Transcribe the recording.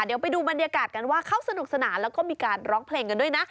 เดี๋ยวไปดูบรรยากาศกันว่าเขาสนุกสนานแล้วก็มีการร้องเพลงกันด้วยนะ